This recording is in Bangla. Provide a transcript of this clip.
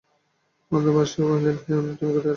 অন্নদাবাবু আসিয়া কহিলেন, হেম, তুমি কোথায় চলিয়াছ?